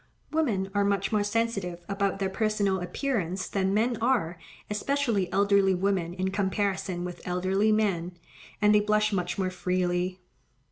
Women are much more sensitive about their personal appearance than men are, especially elderly women in comparison with elderly men, and they blush much more freely.